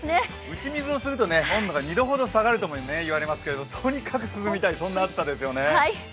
打ち水をすると温度が２度ほと下がると言われますがとにかく涼みたい、そんな暑さですよね。